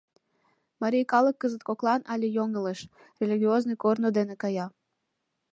Марий калык кызыт коклан але йоҥылыш, религиозный корно дене, кая.